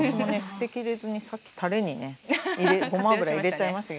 捨てきれずにさっきたれにねごま油入れちゃいました。